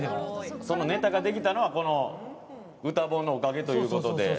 ネタができたのは歌本のおかげということで。